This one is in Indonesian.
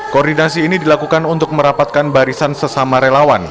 koordinasi ini dilakukan untuk merapatkan barisan sesama relawan